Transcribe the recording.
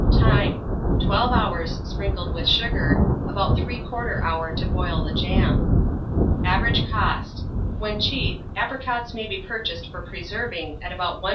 Time. 12 hours sprinkled with sugar; about 3/4 hour to boil the jam. Average cost. When cheap, apricots may be purchased for preserving at about 1s.